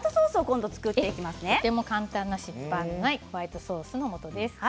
とても簡単な失敗がないホワイトソースです。